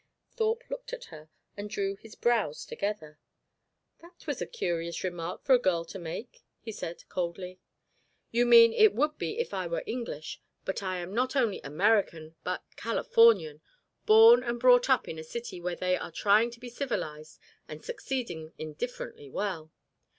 Thorpe looked at her, and drew his brows together. "That was a curious remark for a girl to make," he said, coldly. "You mean it would be if I were English. But I am not only American, but Californian, born and brought up in a city where they are trying to be civilised and succeeding indifferently well.